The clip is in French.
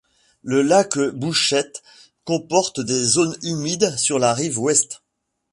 Le lac Bouchette comporte des zones humides sur la rive ouest.